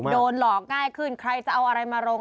โดนหลอกง่ายขึ้นใครจะเอาอะไรมาลง